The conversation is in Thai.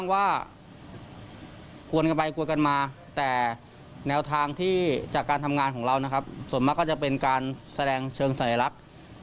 แนวทางที่จากการทำงานของเรานะครับส่วนมากก็จะเป็นการแสดงเชิงใส่รัก